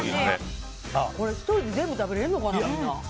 １人で全部食べられるのかな。